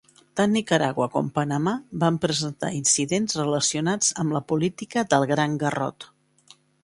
Tant Nicaragua com Panamà van presentar incidents relacionats amb la política del Gran Garrot.